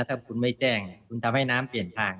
ถ้าคุณไม่แจ้งคุณทำให้น้ำเปลี่ยนผ่าน